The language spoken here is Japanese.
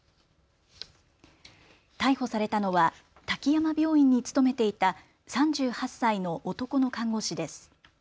逮捕されたのは滝山病院に勤めていた３８歳の男の看護師です。